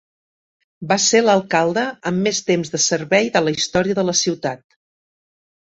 Va ser l'alcalde amb més temps de servei de la història de la ciutat.